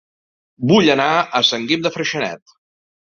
Vull anar a Sant Guim de Freixenet